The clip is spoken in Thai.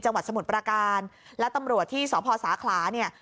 สมุทรประการและตำรวจที่สพสาขลาเนี่ย